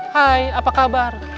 hai apa kabar